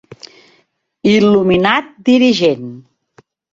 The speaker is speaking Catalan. Il·luminat dirigent.